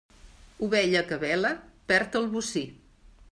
Ovella que bela perd el bocí.